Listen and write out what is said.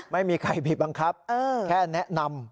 ไม่มีใครผิดบังคับแค่แนะนำ